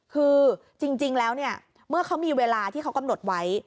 คือจริงแล้วเนี่ยเมื่อเขามีเวลาที่เขากำหนดไว้